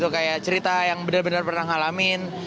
kayak cerita yang benar benar pernah ngalamin